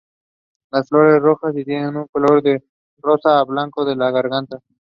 He got then placed in prison in Gliwice.